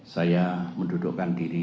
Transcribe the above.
saya mendudukkan diri